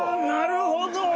なるほど。